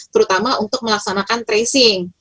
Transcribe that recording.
terutama untuk melaksanakan tracing